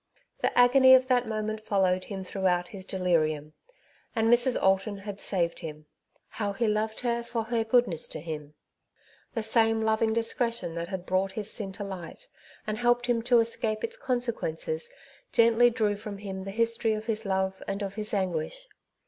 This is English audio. The agony of that moment followed him throughout his delirium. And Mrs. Alton had saved him ! How he loved her for her goodness to him ! The same loving discretion that had brought his sin to light, and helped him to escape its conse quences, gently drew from him the history of his love and of his anguish.